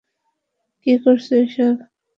কি করছ এসব?